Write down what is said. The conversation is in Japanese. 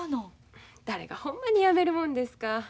誰がほんまにやめるもんですか。